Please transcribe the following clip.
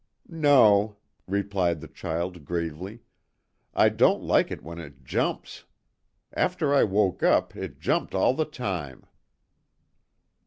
"No," replied the child gravely, "I don't like it when it jumps. After I woke up it jumped all the time."